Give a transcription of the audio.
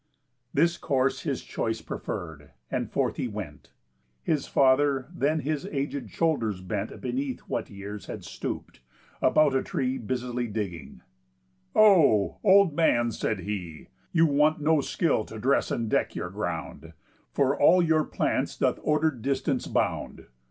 This course his choice preferr'd, and forth he went. His father then his aged shoulders bent Beneath what years had stoop'd, about a tree Busily digging: "O, old man," said he, "You want no skill to dress and deck your ground, For all your plants doth order'd distance bound.